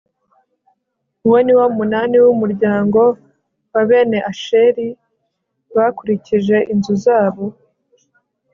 uwo ni wo munani w'umuryango wa bene asheri bakurikije inzu zabo